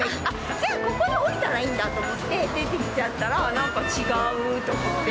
じゃあここで下りたらいいんだと思って、出てきちゃったら、なんか違うと思って。